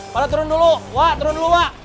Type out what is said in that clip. pada turun dulu wak turun dulu wak